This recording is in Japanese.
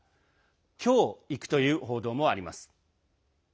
今日、行くという報道もあります。